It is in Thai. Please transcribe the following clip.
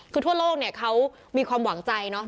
คือทั่วโลกเนี่ยเขามีความหวังใจเนอะ